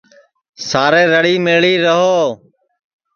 سارے رݪی مِݪی ریہو